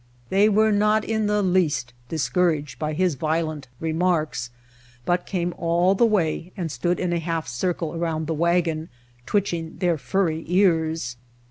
They were not in the least discouraged by his violent remarks, but came all the way and stood in a half circle around the wagon, twitch ing their furry ears.